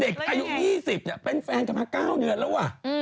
อายุ๒๐เป็นแฟนกันมา๙เดือนแล้วว่ะ